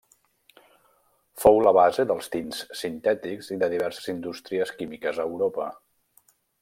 Fou la base dels tints sintètics i de diverses indústries químiques a Europa.